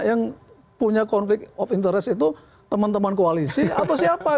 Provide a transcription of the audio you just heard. yang punya konflik of interest itu teman teman koalisi atau siapa